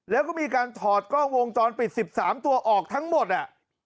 แล้วก็มีการถอดกล้องวงจรปิด๑๓ตัวออกทั้งหมดอ่ะ